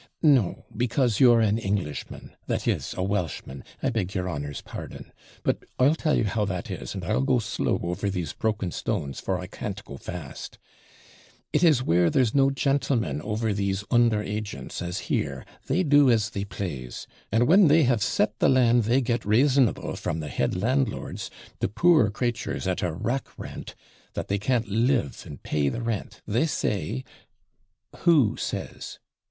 'No, becaase you're an Englishman that is, a Welshman I beg your honour's pardon. But I'll tell you how that is, and I'll go slow over these broken stones for I can't go fast: it is where there's no jantleman over these under agents, as here, they do as they plase; and when they have set the land they get rasonable from the head landlords, to poor cratures at a rack rent, that they can't live and pay the rent, they say ' 'Who says?'